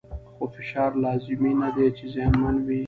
خو فشار لازمي نه دی چې زیانمن وي.